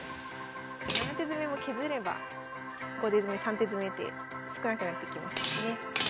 ７手詰も削れば５手詰３手詰って少なくなってきますもんね。